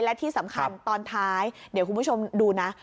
และที่สำคัญตอนท้ายเดี๋ยวคุณผู้ชมดูนะ